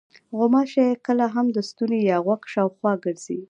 غوماشې کله هم د ستوني یا غوږ شاوخوا ګرځي.